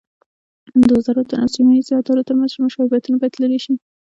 د وزارتونو او سیمه ییزو ادارو ترمنځ مشابهتونه باید لرې شي.